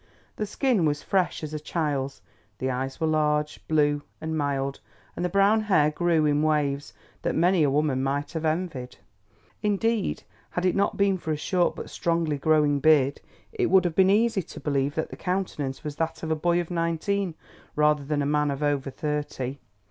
The skin was fresh as a child's, the eyes were large, blue, and mild, and the brown hair grew in waves that many a woman might have envied. Indeed had it not been for a short but strongly growing beard, it would have been easy to believe that the countenance was that of a boy of nineteen rather than of a man over thirty.